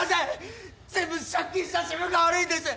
全部借金した自分が悪いんです。